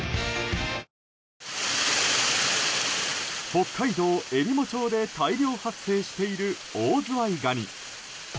北海道えりも町で大量発生しているオオズワイガニ。